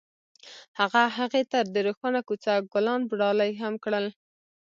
هغه هغې ته د روښانه کوڅه ګلان ډالۍ هم کړل.